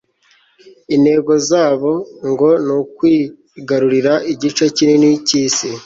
intego zabo, ngo ni ukwigarurira igice kinini k'isi